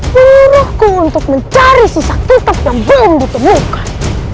burukku untuk mencari sisa kitab yang belum ditemukan